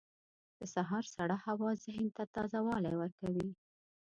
• د سهار سړه هوا ذهن ته تازه والی ورکوي.